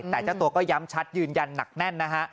แต่เจ้าตัวก็ย้ำชัดยืนยันหนักแน่นนะฮะ